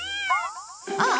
あっ！